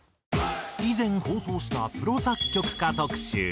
以前放送したプロ作曲家特集。